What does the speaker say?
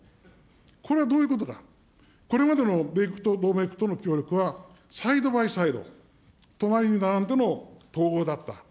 これはどういうことか、これまでの米国と同盟国との協力はサイド・バイ・サイド、隣に並んでの統合だった。